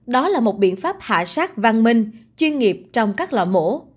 đó là một biện pháp hạ sát văn minh chuyên nghiệp trong các lò mổ